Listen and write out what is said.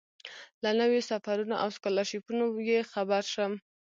له نویو سفرونو او سکالرشیپونو یې خبر شم.